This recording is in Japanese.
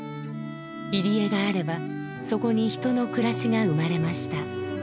入り江があればそこに人の暮らしが生まれました。